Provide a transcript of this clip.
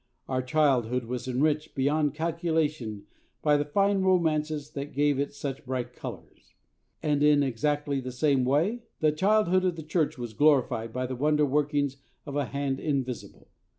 Our childhood was enriched beyond calculation by the fine romances that gave it such bright colours; and, in exactly the same way, the childhood of the Church was glorified by the wonder workings of a Hand Invisible.